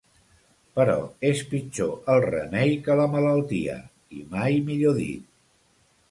Però és pitjor el remei que la malaltia, i mai millor dit.